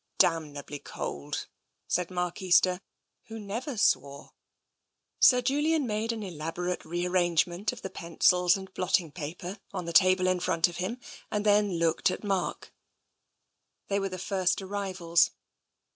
" Damnably cold," said Mark Easter, who never swore. Sir Julian made an elaborate rearrangement of the pencils and blotting paper on the table in front of him and then looked at Mark. They were the first arrivals.